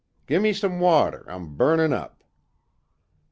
Gi'me some water, I'm burnin' up."